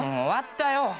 終わったよ！